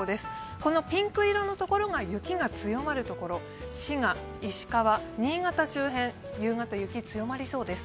このピンク色の所が雪が強まるところ、滋賀、石川、新潟中心夕方雪、強まりそうです。